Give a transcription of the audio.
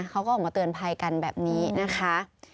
เขาก็ออกมาเตือนภัยกันแบบนี้นะคะ